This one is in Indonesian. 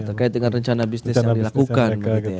terkait dengan rencana bisnis yang dilakukan